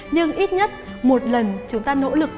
nhưng ít nhất một lần chúng ta nỗ lực